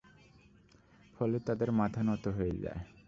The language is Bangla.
ফলে তাদের মাথা নত হয়ে যায়।